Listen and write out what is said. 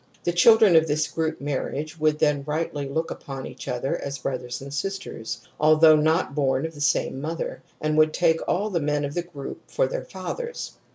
The children of this group, marriage would then rightly look upon each other as brothers and sisters although not born of the same mother, and would take all the men of the group for their fathers.